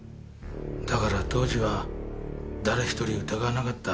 だから当時は誰１人疑わなかった。